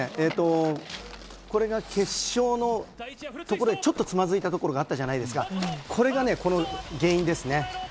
これが決勝のところでちょっとつまずいたところがあったじゃないですか、これが原因ですね。